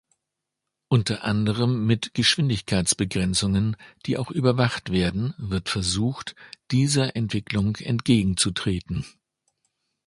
Unter anderem mit Geschwindigkeitsbegrenzungen, die auch überwacht werden, wird versucht, dieser Entwicklung entgegenzutreten.